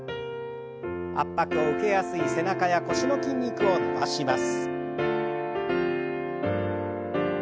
圧迫を受けやすい背中や腰の筋肉を伸ばします。